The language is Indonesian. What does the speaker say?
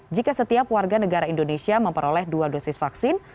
jika setiap warga negara indonesia memperoleh dua dosis vaksin